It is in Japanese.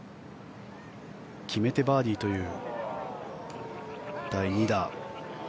決めてバーディーという第２打。